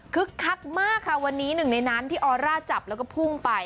คักมากค่ะวันนี้หนึ่งในนั้นที่ออร่าจับแล้วก็พุ่งไป